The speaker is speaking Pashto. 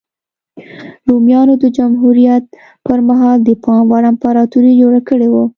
رومیانو د جمهوریت پرمهال د پام وړ امپراتوري جوړه کړې وه